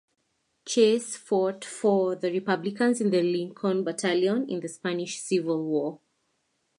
Chase fought for the Republicans in the Lincoln Battalion in the Spanish Civil War.